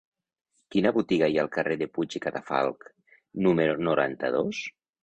Quina botiga hi ha al carrer de Puig i Cadafalch número noranta-dos?